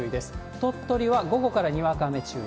鳥取は午後からにわか雨注意。